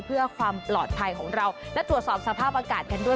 เพื่อความปลอดภัยของเราและตรวจสอบสภาพอากาศกันด้วย